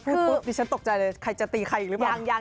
ปุ๊บดิฉันตกใจเลยใครจะตีใครอีกหรือเปล่า